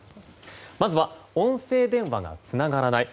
まずは、音声通話がつながらない